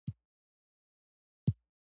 سړک خراب موټر ته زیان رسوي.